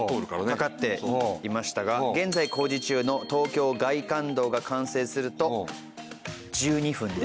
かかっていましたが現在工事中の東京外環道が完成すると１２分で。